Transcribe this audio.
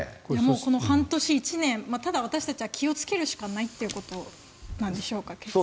この半年、１年私たちは気をつけるしかないということでしょうか。